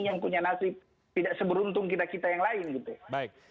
yang punya nasib tidak seberuntung kita kita yang lain gitu